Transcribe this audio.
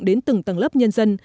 đến từng tầng lớp nhân dân